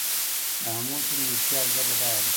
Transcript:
د امو سیند نفتي حوزه بډایه ده؟